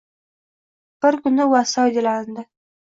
Bir kuni u astoydil yalindi.